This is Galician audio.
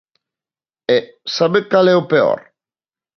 E, ¿sabe cal é o peor?